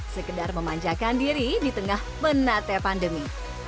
sekedar memanjakan diri di tengah menate pandemi